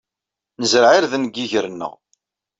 Nezreɛ irden deg yiger-nneɣ.